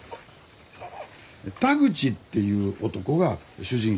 田口っていう男が主人公でね